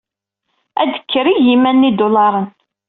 Ad d-tekker igiman n yidulaṛen.